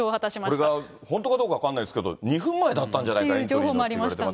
これが本当かどうか分かんないですけど、２分前だったんじゃという情報もありましたね。